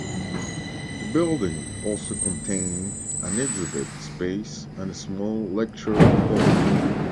The building also contain an exhibit space and a small lecture hall.